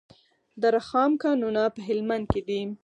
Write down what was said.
د رخام کانونه په هلمند کې دي